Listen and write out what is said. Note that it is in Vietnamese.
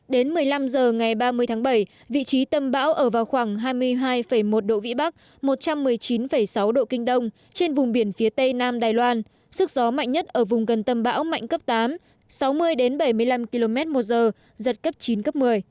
đến một mươi năm h ngày ba mươi tháng bảy vị trí tâm bão ở vào khoảng hai mươi hai một độ vĩ bắc một trăm một mươi chín sáu độ kinh đông trên vùng biển phía tây nam đài loan sức gió mạnh nhất ở vùng gần tâm bão mạnh cấp tám sáu mươi bảy mươi năm km một giờ giật cấp chín cấp một mươi